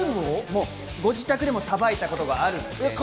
ご自宅でも、さばいたことがあるそうです。